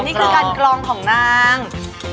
นี่คือการกรองของนาง